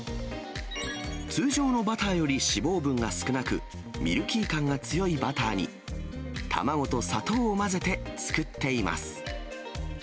通常のバターより脂肪分が少なく、ミルキー感が強いバターに、卵と砂糖を混ぜて作っています。